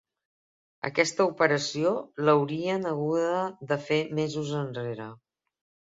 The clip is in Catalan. Aquesta operació, l'haurien haguda de fer mesos endarrere.